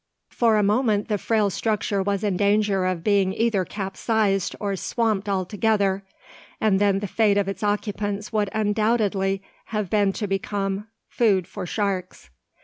For a moment the frail structure was in danger of being either capsized or swamped altogether, and then the fate of its occupants would undoubtedly have been to become "food for sharks."